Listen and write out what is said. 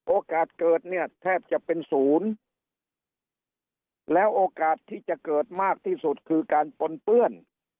โอกาสเกิดเนี่ยแทบจะเป็นศูนย์แล้วโอกาสที่จะเกิดมากที่สุดคือการปนเปื้อน